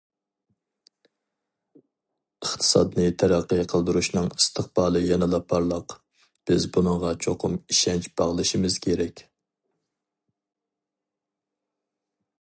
ئىقتىسادنى تەرەققىي قىلدۇرۇشنىڭ ئىستىقبالى يەنىلا پارلاق، بىز بۇنىڭغا چوقۇم ئىشەنچ باغلىشىمىز كېرەك.